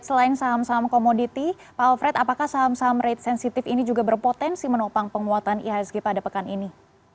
selain saham saham komoditi pak alfred apakah saham saham rate sensitif ini juga berpotensi menopang penguatan ihsg pada pekan ini